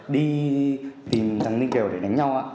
đi tìm thằng ninh kiều để đánh nhau